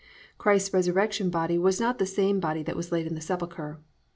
"+ Christ's resurrection body was not the same body that was laid in the sepulchre.